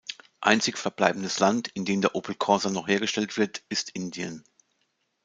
Einzig verbleibendes Land in dem der Opel Corsa noch hergestellt wird ist Indien.